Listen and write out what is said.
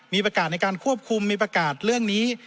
มีประกาศในการควบคุมมีประกาศเรื่องนี้